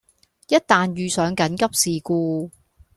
一旦遇上緊急事故